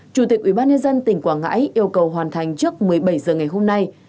chủ tịch ubnd tỉnh quảng ngãi yêu cầu hoàn thành trước một mươi bảy h ngày hôm nay